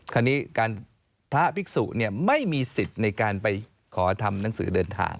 คราวนี้การพระภิกษุไม่มีสิทธิ์ในการไปขอทำหนังสือเดินทาง